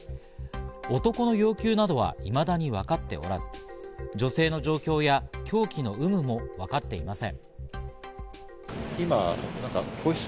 男の要求などはいまだにわかっておらず、女性の状況や凶器の有無もわかっていません。